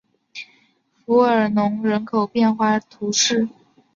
弗尔农人口变化图示